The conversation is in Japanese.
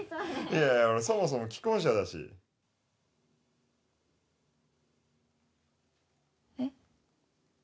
いやいや俺そもそも既婚者だしえっ？